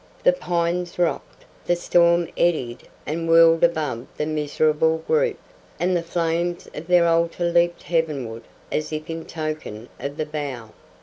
The pines rocked, the storm eddied and whirled above the miserable group, and the flames of their altar leaped heavenward as if in token of the vow.